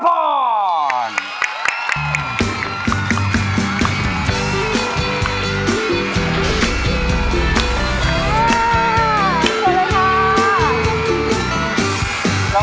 สวัสดีครับ